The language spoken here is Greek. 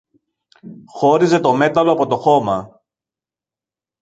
χώριζε το μέταλλο από το χώμα